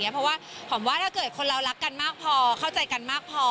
เพราะว่าหอมว่าถ้าเกิดคนเรารักกันมากพอเข้าใจกันมากพอ